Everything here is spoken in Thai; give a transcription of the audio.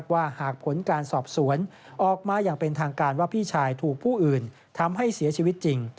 ว่าหากผลการสอบสวนออกมาอย่างเป็นทางการว่าพี่ชายถูกผู้อื่นทำให้เสียชีวิตจริง